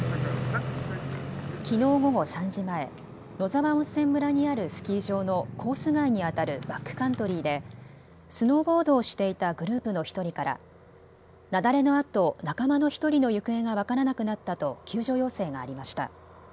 きのう午後３時前、野沢温泉村にあるスキー場のコース外にあたるバックカントリーでスノーボードをしていたグループの１人から雪崩のあと仲間の１人の行方が分からなくなったと救助要請がありました。